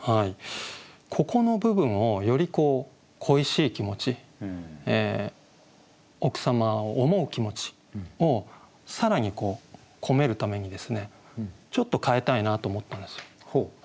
ここの部分をより恋しい気持ち奥様を思う気持ちを更にこめるためにですねちょっと変えたいなと思ったんですよ。